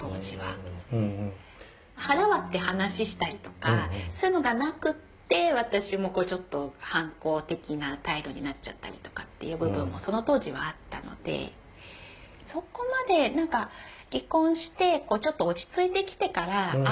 腹割って話したりとかそういうのがなくって私もこうちょっと反抗的な態度になっちゃったりとかっていう部分もその当時はあったのでそこまでなんか離婚してちょっと落ち着いてきてからあ